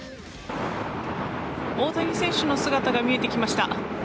大谷選手の姿が見えてきました。